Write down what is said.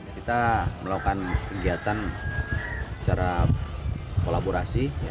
kita melakukan kegiatan secara kolaborasi